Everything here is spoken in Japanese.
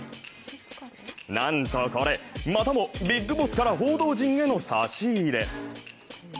なんとこれ、またもビッグボスから報道陣への差し入れ。